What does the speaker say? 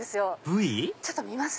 ちょっと見ます？